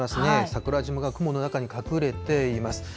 桜島が雲の中に隠れています。